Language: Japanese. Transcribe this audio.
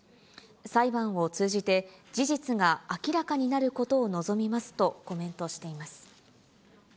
裁判を通じて、事実が明らかになることを望みますと、コメントしています。